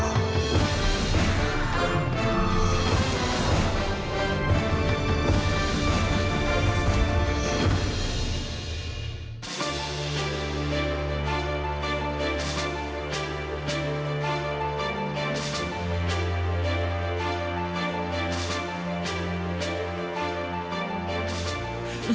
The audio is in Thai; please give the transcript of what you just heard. มมมมภารกิจชนะ